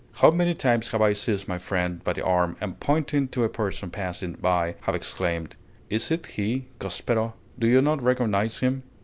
How many times have I seized my friend by the arm, and pointing to a person passing by, have exclaimed: "It is he, cospetto! do you not recognize him?"